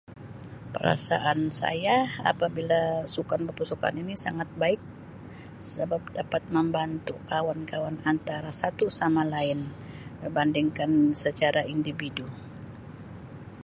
Perasaan saya apabila sukan berpasukan ini sangat baik sabab dapat membantu kawan-kawan antara satu sama lain berbandingkan secara individu.